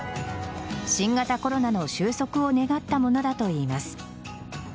新型コロナの収束を願ったものだといいます。